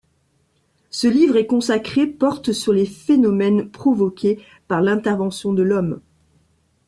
Ce livre est consacré porte sur les phénomènes provoqués par l’intervention de l’homme.